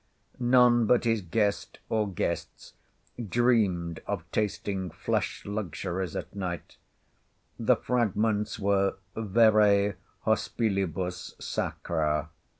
None but his guest or guests dreamed of tasting flesh luxuries at night, the fragments were verè hospilibus sacra.